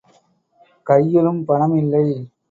கையிலும் பணம் இல்லை.